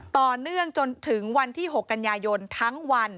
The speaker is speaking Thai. ต่อเนื่องจนถึงวันที่๖กันยายนทั้งวัน